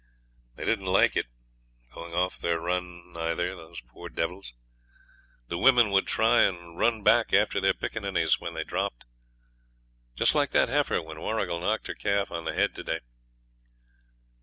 They didn't like it, going off their run either, poor devils. The women would try and run back after their pickaninnies when they dropped, just like that heifer when Warrigal knocked her calf on the head to day.'